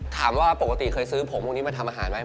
ถามว่าปกติเคยซื้อผมพวกนี้มาทำอาหารไหม